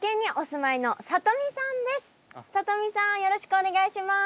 よろしくお願いします。